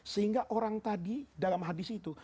sehingga orang tadi dalam hadis itu